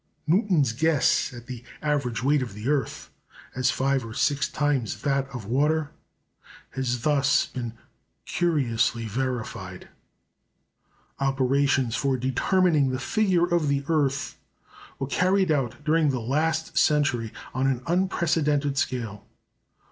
Newton's guess at the average weight of the earth as five or six times that of water has thus been curiously verified. Operations for determining the figure of the earth were carried out during the last century on an unprecedented scale.